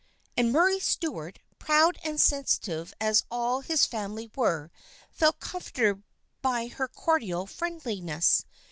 And Murray Stuart, proud and sensitive as all his family were, felt comforted by her cordial friendliness.